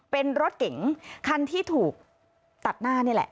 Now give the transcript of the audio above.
เป็นรถเก๋งคันที่ถูกตัดหน้านี่แหละ